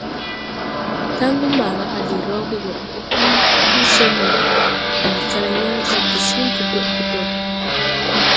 Tangu maga à de raw ge go ɓoʼ huuli ɓi tu so mo, bii kal yaa jag gesiŋ ɓodoɗ ɓodoɗ.